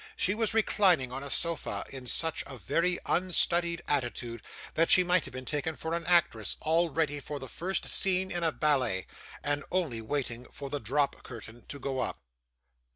She was reclining on a sofa in such a very unstudied attitude, that she might have been taken for an actress all ready for the first scene in a ballet, and only waiting for the drop curtain to go up.